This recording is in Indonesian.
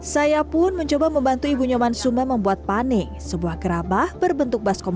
saya pun mencoba membantu ibunya mansumah membuat panik sebuah kerabah berbentuk baskom